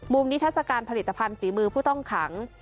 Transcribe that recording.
นิทัศกาลผลิตภัณฑ์ฝีมือผู้ต้องขัง